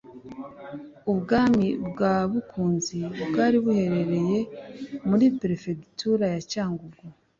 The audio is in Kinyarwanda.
Ubwami bwa Bukunzi bwari buherereye muri Perefegitura ya Cyangugu